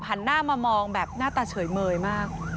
หันหน้ามามองแบบหน้าตาเฉยเมยมาก